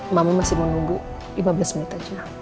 mama masih menunggu lima belas menit aja